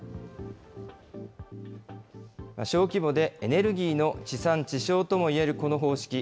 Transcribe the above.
小規模でエネルギーの地産地消ともいえるこの方式。